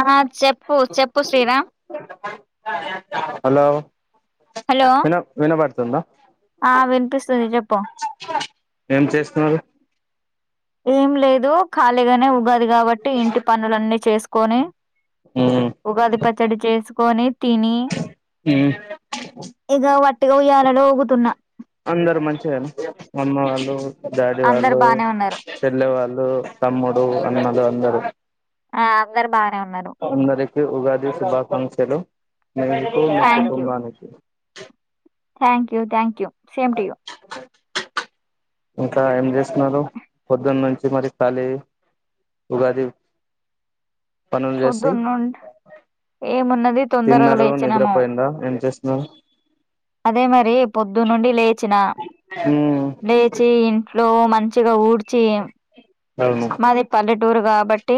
ఆ చెప్పు చెప్పు శ్రీరామ్ హలో హలో విన వినబడుతు తుంద ఆ వినిపిస్తుంది చేపు ఏం చేస్తున్నారు ఏం లేదు ఖాళీగానే ఉగాది కాబట్టి ఇంటి పనులన్నీ చేసు కోనే ఉమ్ ఉగాది ప పచ్చడి చేసుకొని తిని ఇగ వ టిగా ఉయ్యాల లో ఊగుతున్నా అందరు మంచిగా అమ్మ వాళ్ళు డాడి అందరు వాళ్ళు బానే ఉన్నారు చెల్లె వాళ్ళు తమ్ముడు డు అన్నలు అందరూ ఆ అందరు బాగా నే ఉన్నరు అందరికి ఉగాది శుభాకాంక్షలు మీకు మీ థ్యాంక్ యూ కుటుంబానికి thank you thank you same to you ఇంకా ఏం చేస్తున్నారు పొద్దున్నుంచి మరి ఖాళీ ఉగాది పనులు చేసి పొద్దున్నుండి ఏమున్నది తొందరగా తిన్నారు లేచినము నిద్రపోయిందా ఏం చేస్తున్నారు అదే మరి పొ ద్దు నుండి లే చ్చిన ఉమ్ లేచి ఇంట్లో లో మంచిగా ఊడ్ చేం అవును మాది పల్లెటూరు కాబట్టి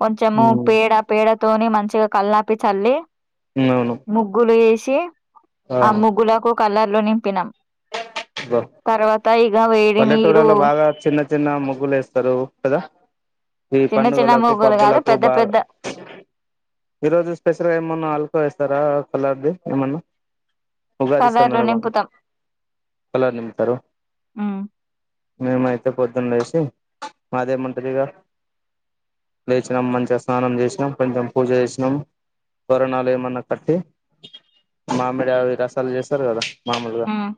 కొంచము పేడ ఉమ్ పేడతోని మ మంచిగా కల్లాపి చల్లి అవును ముగ్గులు వేస్ తే అ ముగ్గులకు కలర్లు నింపినాం ఇగ తర్వాత ఇక వేడి నీరు పల్లెటూరులలో బాగా చిన్న చిన్న ముగ్గులు ఎస్తారు కద ఈ చిన్న చిన్న పండుగలకు ముగ్గులు కాదు పబ్బులకు పెద్ద బాగా పెద్ద ఈరోజు స్పెషల్ ఏమన్నా అల్కో వేస్తారా అలాగే ఏమన్న కలర్లు నింపుతాం కలర్లు నింపుతారు ఉమ్ మీము అయి పొద్దు పొద్దున్న లేసి మదేముంటది ఇగ లేచినాం మంచిగా స్నానం చేసినాం కొంచెం పూజ చేసినాం తోరణాలు ఏమన్నా కట్టి మామిడి అవి రసాలు చేస్తారు కదా మామూలుగా ఉమ్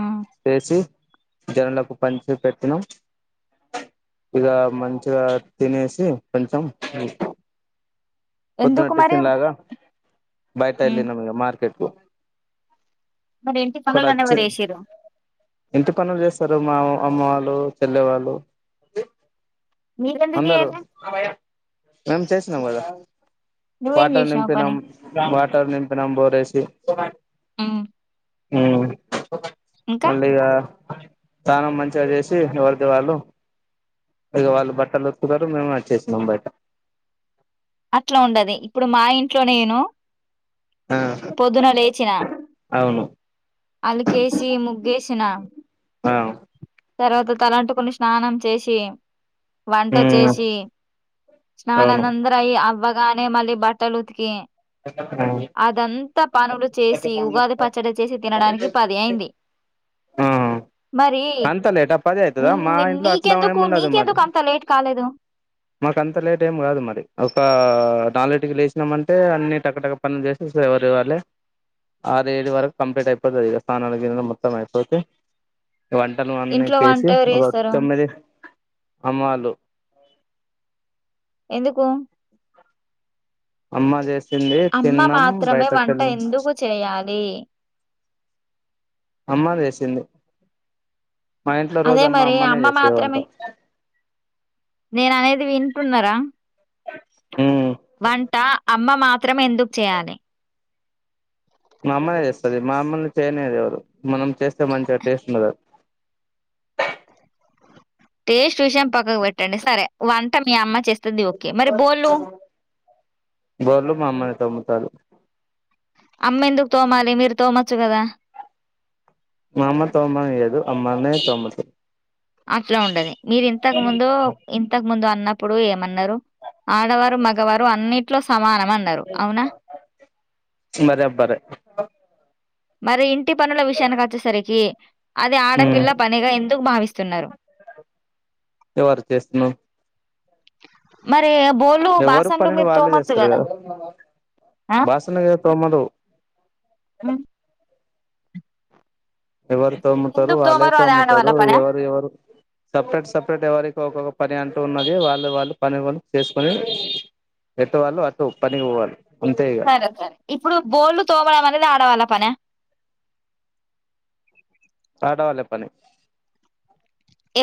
ఉమ్ చేసి జనులకు పంచి పెట్టినం ఇగ మంచిగా తినేసి కొంచెం పొద్దున ఎందుకు మరి టిఫిన్ లాగా బయటా ఉమ్ వెళ్ళినామ్ ఇగ మార్కెట్ కు మరి ఇంటి ఇక్కడ పనులు అన్ని వచ్చి ఎవరు చేసిర్రు ఇంటి పనులు చేస్తారు మా అమ్మ వాళ్ళు చెల్లెవాళ్ళు మీరెందుకు అందరు చేయలే మేం చేసి నవదా నువ్వేం బాటిల్ చేసినావు నింపినం పని బా టార్ నింపినం బోరేసి ఉ హు మళ్ళీగా స్నానం మంచిగా చేసి ఎవరిది వాళ్ళు ఇగ వాళ్ళు బట్టలు ఉతుకుతారు మేము వచ్చేసినం బయట అట్లా ఉండది ఇప్పుడు మా ఇంట్లో నేను ఆ పొద్దున లేచిన అవును అలుకేసి ముగ్గేసిన ఆ తర్వాత తలంటుకుని స్నానం చేసి వంట మ్మ్ చేసి స్నానాలు అవును అంద ఈ అవ్వగానే మళ్ళీ బట్టలు ఉతికి అదంతా పనులు చేసి ఉగాది పచ్చడి చేసి తినడానికి పది అయింది. ఆ మరి అంత లేటా పది అయితదా ఉమ్, మా మీ- ఇంట్లో అట్లా నీకెందుకు ఏమి ఉండదు మరి నీకెందుకు అంత లేట్ కాలేదు మాకు అంత లేట్ ఏం కాదు మరి ఒక నాలుగీటికి మాకు అంత లేట్ ఏం కాదు మరి ఒక నాలుగింటికి లేచినామంటే అన్నీ టక్కటక్క పనులు చేస్తే ఎవరిది వాళ్ళే ఆరు ఏడు వరకు కంప్లీట్ అయిపోతుంది ఇగ స్నానాలు గినాలు మొత్తం అయిపోతే వంటలు అన్నీ ఇంట్లో వంట చేసి ఎవరు ఒక చేస్తారు తొమ్మిది అమ్మవాళ్ళు ఎందుకు అమ్మా చే అమ్మ మాత్రమే వంట ఎందుకు చేయాలి అమ్మ వేసింది మా ఇంట్లో రోజు అదే అమ్మ మరి అమ్మనే చేసేది వంట మాత్రమే నేను అనేది వింటున్నారా ఉమ్ వంట అమ్మ మా మాత్రమే ఎందుకు చేయాలి మా అమ్మనే చేస్తది మా మమ్మల్ని చేయనియదు ఎవరు మాం చేస్తే మంచిగా టేస్ట్ ఉండదు టేస్ట్ విషయం పక్కకు పెట్టండి సరే వంట మీ అమ్మ చేస్త బోలు మా అమ్మనే తోముతారు అమ్మ ఎందుకు తోమాలి మీరు తోమచ్చు కదా మా అమ్మ తోమనియ్యదు అమ్మనే [unintelligible] అట్లా ఉండది మీరు ఇంతకు ముందు ఇంతకు ముందు న్నప్పుడు ఏమన్నారు ఆడవారు మగవారు అన్నిట్లో సమానమ అన్నారు అవునా బరాబర్ మరి ఇంటి ఇంట్లో పనుల విషయానికి వచ్చే సరికి అది ఉమ్ ఆడపిల్ల పనిగా ఎందుకు భావిస్తున్నారు ఎవరు చేస్తున్నావ్ మరి బోళ్ళు, ఎవ్వరు బాసన్లు పనులు మీరు వాళ్ళే తోమొచ్చు చేస్తారు గదా! కదా ఆ! బాసన్న తోమలు హ్మ్. ఎవరు తోమ్ముతారు ఎందుకు వాళ్ళే తోమరు? అది తోమ్ముతారు ఆడవాళ్ళ పనా? ఎవరు ఎవరు సపరేట్ సపరేట్ ఎవరికి ఒకొక్క పని అంటూ ఉన్నది వాళ్ళు వాళ్ళు పని కొని చేసుకొని ఎట్ట వాళ్ళు అటు పనికి పోవాలి అంతే ఇగ సరే సరే ఇప్పుడు బోళ్లు తోవడం అనేది ఆడవాల పనియా ఆడవాళ్ళ పని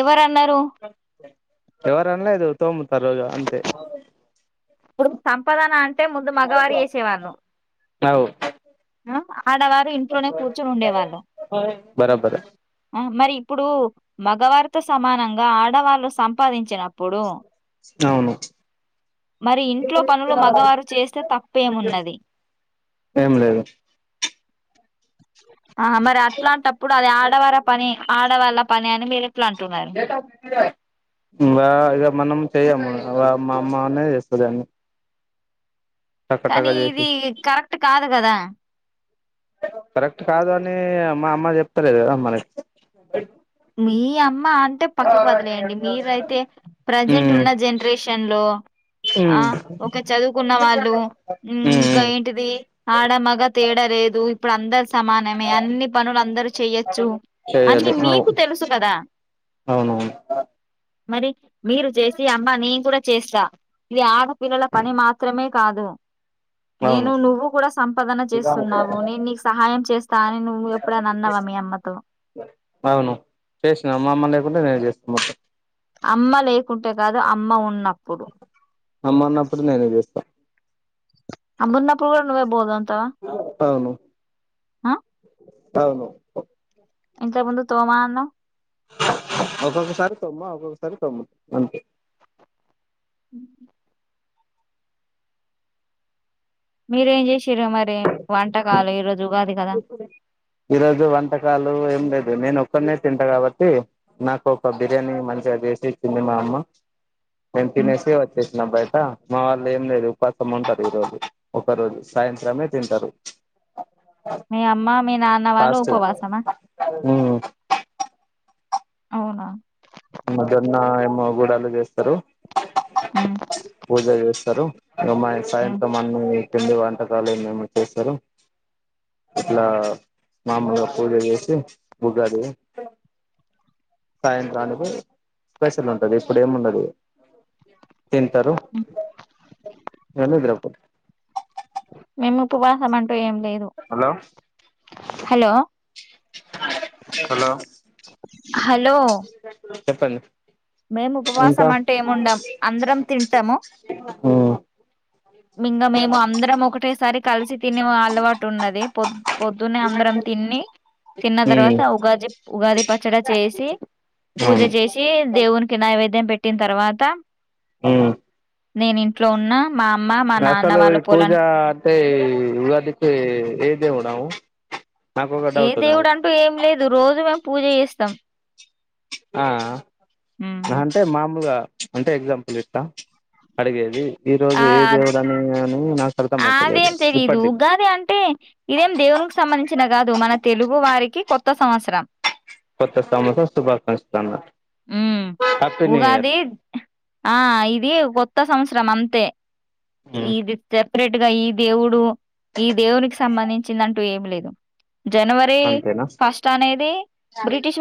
ఎవరు [unintelligible] ఎవరు అన్నారు తోముతారు అంతే ఇప్పుడు సంపదన అం టె ముందు మగవారూ ఎసేవాను అవు ఆ ఆడవారు ఇంట్లోనే కూర్చొని ఉండేవాళ్ళు బరాబర్ ఆ మరి ఇప్పుడు మగవారిత సమానంగా ఆడవాళ్లుు సంపాదించినప్పుడు ఇప్పుడు అవును మరి ఇంట్లో పనులు మగవారు చేస్తే తప్పేమున్నది ఏం లేదు ఆ మరి అట్లాంటప్పుడు అది ఆడవార ఆడవాళ్ళ పని అని మీరే మా ఇద మనం చెయము అవ మ మా అన్నే చేస్తడన్ని కానీ ఇది కరెక్ట్ కాదు కదా కరెక్ట్ కాదు అని మా అమ్మ చెప్తలేదు మన మీ అమ్ మ్మ అంటే పక్కకు వదిలేయండి మీరయితే ప్రజెంట్ ఉమ్ ఉన్న జనరేషన్ లో ఉమ్ ఆ ఒక చదువుకున్న వాళ్ళు ఉమ్ ఇంకా ఉమ్ ఏంటిది ఆడ మగ తేడలేదు ఇప్పుడ్ అందస్ సమానమే అన్ని పనులు అందరు చెయచ్చు అనీ చెయ్యాలి మీ అవు మీకు తెలుసు కద అవునవును మరి మీరు చేసి అమ్మా నేను కూడ చేస్త ఇది ఆడపిల్లల పని మాత్రమే కాదు నేను నువ్వు కూడ సంపాదన అవును చేస్తున్నావు నేను నీకు సహాయం చేస్తా అని నువ్వు ఎప్పుడ అన్నవా మీ అమ్మతో అవును చేసిన అమ్మ లేకుంటె నేన్ చేసుకొనొస్త అమ్మలే కుంటే కాదు అమ్మ ఉన్నప్పుడు అమ్మ అన్నప్పుడు నేనే చేస్తా అమ్మా వున్నపుడు కూడ నువ్వే భోజనం తవ అవును హా అవును ఇంతక ముందు తోమా అన్నవ్ ఒక్కొక్కసారి తొమ్మ ఒక్కొక్కసారి తొమ్ముత అంతే మీరేం చేసిర్రూ వంటకాలు ఈరోజు ఉగాది కదా ఈరోజు వంటకాలు ఏం లేదు నేను ఒక్కడినే తింట కాబట్టి నాకు ఒక బిర్యానీ మంచిగ చేసి ఇచ్చింది మా అమ్మ నేన్ ఉమ్. తినేసి వచ్చేసిన బైట మా వాళ్ళు ఏం లేదు ఉపాసం ఉంటరు ఈ రోజు ఒక రోజు సాయంత్రమే తింటారు మీ అమ్మ మీ నాన్న వాళ్ళు ఫాస్టింగ్ ఉపవాసమ ఉమ్ అవున మదన్న ఏమో గూడలు చేస్తారు ఉమ్, పూజ చేస్తారు రమా ఉమ్, సాైంత మ కింది వంటకాలు ఏ మేమో చేస్తారు ఇట్లా మామూలుగా పూజ చేసి ఉగాది సాయంత్రానికి స్పెషల్ ఉంటది ఇప్పుడు ఏమి ఉండదు తింటారు ఉమ్. ఇక నిద్రపోతారు మేము ఉపవాసం ఉంటా ఏం లేదు హలో హలో హలో చెప్పండి మేము ఇంకా ఉపవాసం అంటే ఏముండం అందరం తింటాము మ్మ్ ఇంకా మేము అందరం ఒకటేసారి కలిసి తినిే అలవాటు ఉన్నది పొద్దు పొద్దునే అందరం తిని తిన్న మ్మ్ తర్వాత ఉగాది ఉగాది పచ్చడి చేసి పూజ అవును చేసి ఇక నైవేద్యం పెట్టిన తర్వాత ఉమ్ నేను ఇంట్లో ఉన్న మా అమ్మ మా నాన్న అసలు వాళ్ళ పూజా పొలానికి అంటే ఉగాదికి ఏ దేవుడు నాకు ఒక ఏ డౌట్ ఉన్నది దేవుడు అంటూ ఏం లేదు రోజు మేము పూజ చేస్తాం స్తాం ఆ అంటే మాములుగా అంటే ఎగ్జాంపుల్ ఇస్తా అడిగేది ఈ రోజు ఆ ఏ అద్ దేవుడని అని నాకు అర్థమైతలేదు అదేం తెలీదు ఇప్పటి ఉగాది అంటే ఇదేం దేవునికి సంబంధించిన కాదు మన తెలుగు వారికి కొత్త కొత్త సంవత్సరం కొత్త సంవత్సర శుభాకాంక్షలు అన్న హుమ్ హ్యాపీ న్యూ ఇయర్ ఉగాదిఆ ఇది కొత్త సంవత్సరం అంతే ఈదిత్య సపరేట్ గా ఈ దేవుడు ఈ దేవునికి సంబంధించిందంటూ ఏమి లేదు జనవరి అంతేనా ఫస్ట్ అనేది బ్రిటిష్